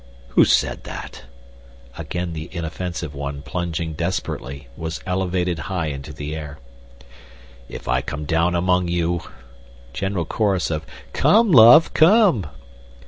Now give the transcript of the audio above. "Who said that?" (Again the inoffensive one plunging desperately, was elevated high into the air.) "If I come down among you " (General chorus of "Come, love, come!"